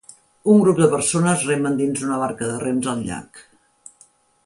Un grup de persones remen dins una barca de rems al llac.